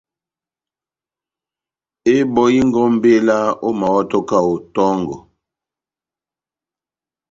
Ebɔhingé ó mbéla ómahɔ́to kahote tɔ́ngɔ